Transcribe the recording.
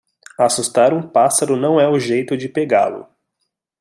Assustar um pássaro não é o jeito de pegá-lo.